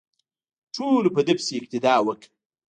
ټولو په ده پسې اقتدا وکړه.